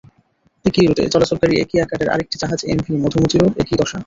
একই রুটে চলাচলকারী একই আকারের আরেকটি জাহাজ এমভি মধুমতিরও একই দশা।